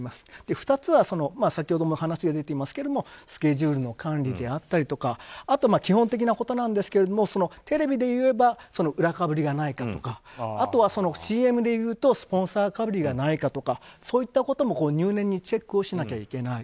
２つ目は先ほども話が出ていますがスケジュールの管理であったりあと、基本的なことですがテレビでいえば裏かぶりがないかとかあとは、ＣＭでいうとスポンサーかぶりがないかとかそういったことも入念にチェックしなきゃいけない。